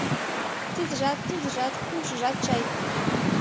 Тидыжат-тудыжат-кумшыжат чай.